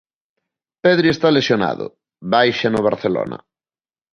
Pedri está lesionado, baixa no Barcelona.